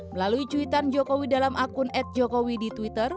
melalui cuitan jokowi dalam akun at jokowi di twitter